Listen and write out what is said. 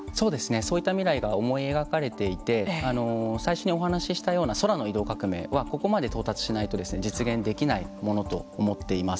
そういった未来が思い描かれていて最初にお話ししたような空の移動革命はここまで到達しないと実現できないものと思っています。